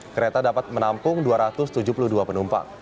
kereta dapat menampung dua ratus tujuh puluh dua penumpang